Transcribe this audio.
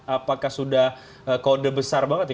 apakah sudah kode besar banget ya